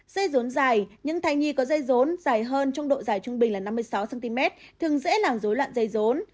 dây rốn dài những thai nhi có dây rốn dài hơn trong độ dài trung bình là năm mươi sáu cm thường dễ làm dối loạn dây rốn